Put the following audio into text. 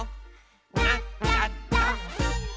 「なっちゃった！」